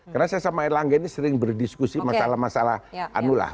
karena saya sama erlangga ini sering berdiskusi masalah masalah